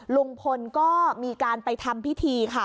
ลุงพลก็มีการไปทำพิธีค่ะ